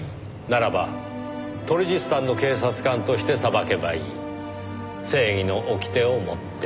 ならばトルジスタンの警察官として裁けばいい正義の掟をもって。